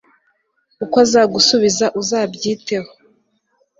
uko azagusubiza uzabyiteho